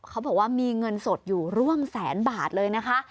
เขาบอกว่ามีเงินสดอยู่ร่วมแสนบาทเลยนะคะ